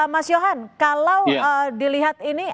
mas yohan kalau dilihat ini